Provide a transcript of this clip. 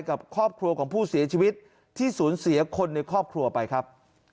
กับครอบครัวของผู้เสียชีวิตที่สูญเสียคนในครอบครัวไปครับ